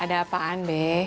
ada apaan be